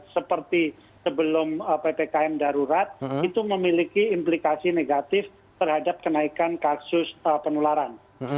seperti sebelum ppkm darurat itu memiliki implikasi negatif terhadap kenaikan kasus penularan